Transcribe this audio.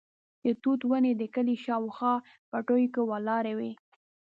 د توت ونې د کلي شاوخوا پټیو کې ولاړې وې.